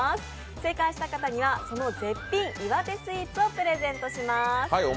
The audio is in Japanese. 正解した方には絶品岩手スイーツをプレゼントします。